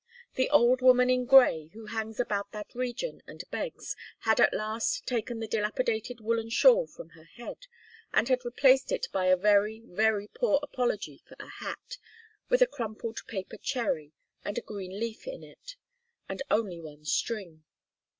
The old woman in grey, who hangs about that region and begs, had at last taken the dilapidated woollen shawl from her head, and had replaced it by a very, very poor apology for a hat, with a crumpled paper cherry and a green leaf in it, and only one string.